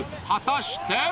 果たして。